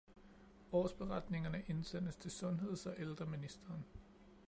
Årsberetningerne indsendes til sundheds- og ældreministeren